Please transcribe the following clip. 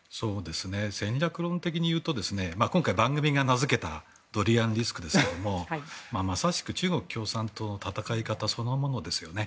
戦略論的に言うと今回、番組が名付けたドリアンリスクですけどもまさしく中国共産党の戦い方そのものですよね。